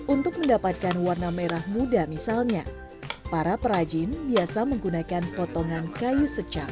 untuk mendapatkan warna merah muda misalnya para perajin biasa menggunakan potongan kayu secang